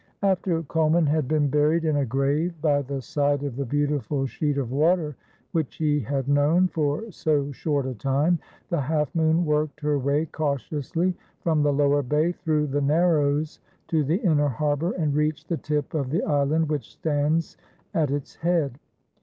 After Colman had been buried in a grave by the side of the beautiful sheet of water which he had known for so short a time, the Half Moon worked her way cautiously from the Lower Bay through the Narrows to the inner harbor and reached the tip of the island which stands at its head.